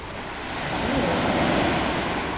милый